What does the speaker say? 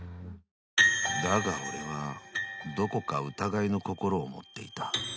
［だが俺はどこか疑いの心を持っていた］